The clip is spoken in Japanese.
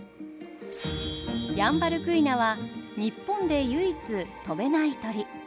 ヤンバルクイナは日本で唯一飛べない鳥。